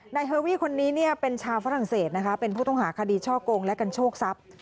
เฮอรี่คนนี้เป็นชาวฝรั่งเศสนะคะเป็นผู้ต้องหาคดีช่อกงและกันโชคทรัพย์